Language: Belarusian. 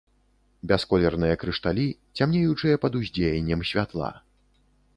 Бясколерныя крышталі, цямнеючыя пад уздзеяннем святла.